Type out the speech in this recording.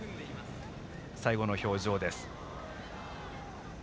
最後の表情です。